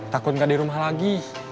takut nggak di rumah lagi